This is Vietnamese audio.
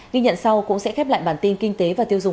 ghi nhận sau cũng sẽ khép lại bản tin kinh tế